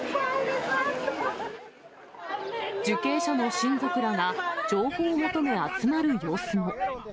受刑者の親族らが情報を求め、集まる様子も。